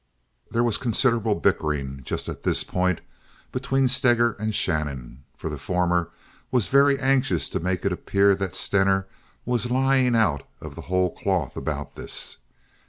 There was considerable bickering just at this point between Steger and Shannon, for the former was very anxious to make it appear that Stener was lying out of the whole cloth about this.